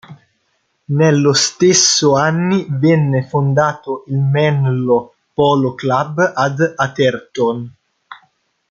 Nello stesso anni, venne fondato il Menlo Polo Club ad Atherton.